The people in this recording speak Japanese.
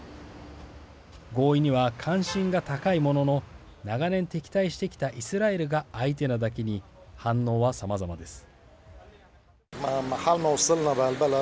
合意には関心が高いものの長年、敵対してきたイスラエルが相手なだけに反応は、さまざまです。